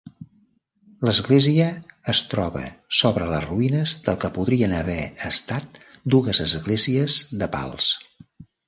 L'església es troba sobre les ruïnes del que podrien haver estat dues esglésies de pals.